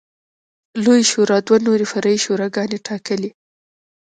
لویې شورا دوه نورې فرعي شوراګانې ټاکلې.